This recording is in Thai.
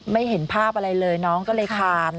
เห็นภาพอะไรเลยน้องก็เลยคาน